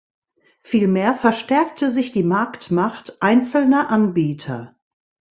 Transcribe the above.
Vielmehr verstärkte sich die Marktmacht einzelner Anbieter.